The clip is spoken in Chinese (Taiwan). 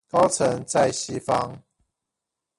高層在西方